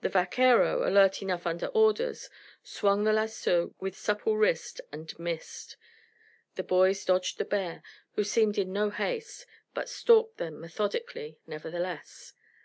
The vaquero, alert enough under orders, swung the lasso with supple wrist and missed. The boys dodged the bear, who seemed in no haste, but stalked them methodically, nevertheless.